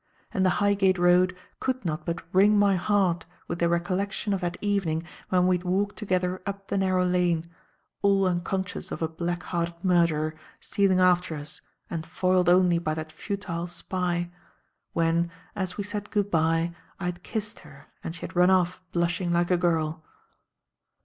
And the Highgate Road could not but wring my heart with the recollection of that evening when we had walked together up the narrow lane all unconscious of a black hearted murderer stealing after us and foiled only by that futile spy when, as we said good bye I had kissed her and she had run off blushing like a girl.